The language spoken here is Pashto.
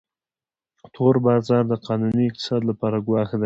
تور بازار د قانوني اقتصاد لپاره ګواښ دی